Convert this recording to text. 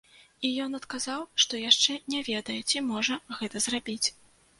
І ён адказаў, што яшчэ не ведае, ці можа гэта зрабіць.